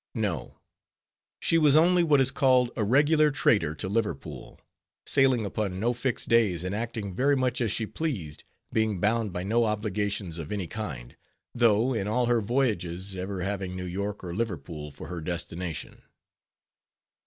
No: she was only what is called a regular trader to Liverpool; sailing upon no fixed days, and acting very much as she pleased, being bound by no obligations of any kind: though in all her voyages, ever having New York or Liverpool for her destination.